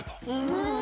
うん。